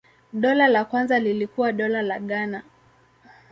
Dola la kwanza lilikuwa Dola la Ghana.